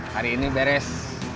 hari ini beres